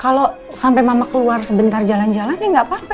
kalau sampai mama keluar sebentar jalan jalan ya nggak apa apa